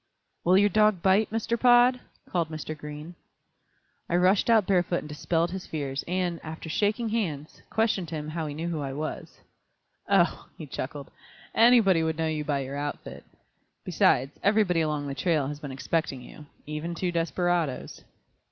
"Will your dog bite, Mr. Pod?" called Mr. Green. I rushed out barefoot and dispelled his fears, and, after shaking hands, questioned him how he knew who I was. "Oh," he chuckled, "anybody would know you by your outfit; besides, everybody along the trail has been expecting you, even two desperadoes."